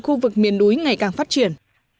khu vực miền núi ngày càng phát triển